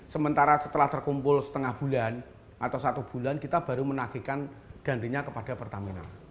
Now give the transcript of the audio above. sementara setelah terkumpul setengah bulan atau satu bulan kita baru menagihkan gantinya kepada pertamina